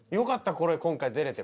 これ今回出れて。